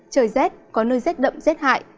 trời rét có nơi rét đậm rét hại